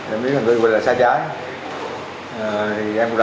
em biết là người quên là xa trái